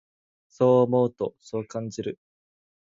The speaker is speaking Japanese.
そう思うと、そう感じる。